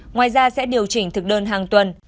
ngoài ra sẽ điều chỉnh thực đơn hàng tuần